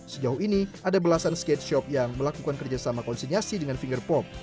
sejauh ini ada belasan skate shop yang melakukan kerjasama konseniasi dengan fingerpop